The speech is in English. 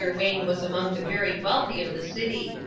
Wayne was among the very wealthy of the city.